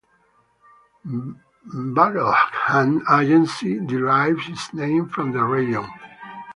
Bagelkhand Agency derived its name from the region.